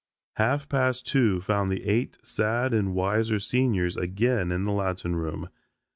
Half past two found the eight sad and wiser seniors again in the Latin room.